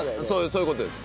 そういう事です。